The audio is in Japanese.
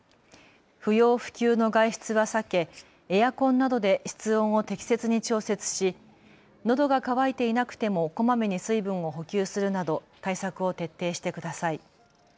不要不急の外出は避けエアコンなどで室温を適切に調節し、のどが渇いていなくてもこまめに水分を補給するなど対策を徹底してください。